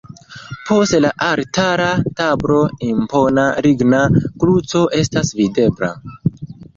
Post la altara tablo impona ligna kruco estas videbla.